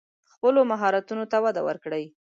خپلو مهارتونو ته وده ورکړئ.